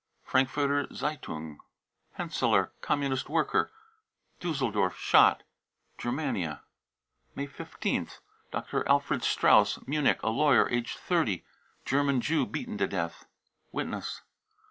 ( Frankfurter Zeitung.) henseler, Commun worker, Dusseldorf, shot. {Germania.) 'j May 15th. dr. Alfred strauss, Munich, a lawyer, aged 30,; German Jew, beaten to death. (Witness.)